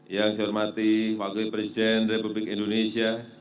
yang saya hormati wakil presiden republik indonesia